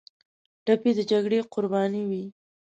ټپي د جګړې قرباني وي.